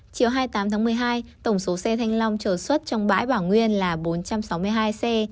chiều hai mươi tám tháng một mươi hai tổng số xe thanh long chờ xuất trong bãi bảo nguyên là bốn trăm sáu mươi hai xe